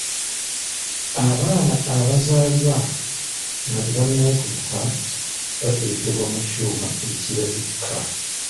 Abaana abazaaliba nga tebanneetuuka bateekebwa mu kyuma ekibabikka.